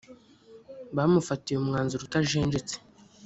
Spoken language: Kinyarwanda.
bamufatiye umwanzuro utajenjetse